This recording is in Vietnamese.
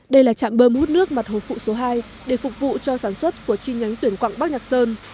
đây là trạm bơm hút nước mặt hồ phụ số hai để phục vụ cho sản xuất của chi nhánh tuyển quặng bắc nhạc sơn